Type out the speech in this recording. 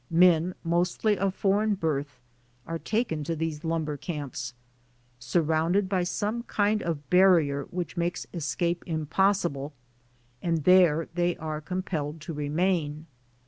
Men, mostly of foreign birth, are taken to these lumber camps, surrounded by some kind of barrier which makes escape impossible, and there they are compelled to remain.